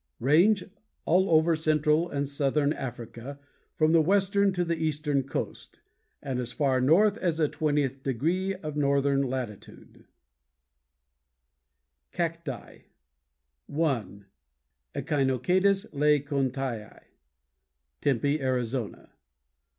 RANGE All over central and southern Africa from the western to the eastern coast, and as far north as the 20th degree of northern latitude. Page 210. =CACTI= (1) Echinocadus Le Contii, Tempe, Arizona.